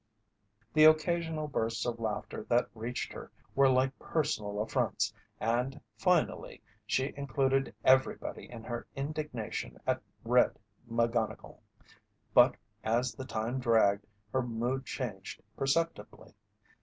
The occasional bursts of laughter that reached her were like personal affronts and, finally, she included everybody in her indignation at "Red" McGonnigle. But, as the time dragged, her mood changed perceptibly.